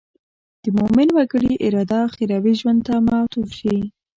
د مومن وګړي اراده اخروي ژوند ته معطوف شي.